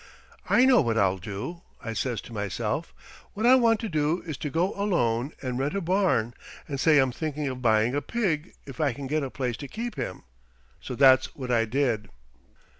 'I know what I'll do,' I says to myself: 'What I want to do is to go alone and rent a barn and say I'm thinking of buying a pig if I can get a place to keep him.' So that's what I did."